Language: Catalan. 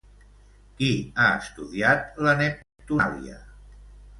Qui ha estudiat la Neptunàlia?